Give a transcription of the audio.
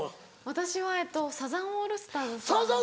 私はサザンオールスターズさん。